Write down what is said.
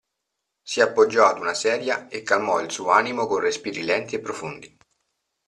Si appoggiò ad una sedia e calmò il suo animo con respiri lenti e profondi.